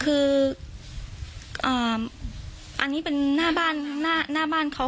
คืออันนี้เป็นหน้าบ้านข้างหน้าบ้านเขา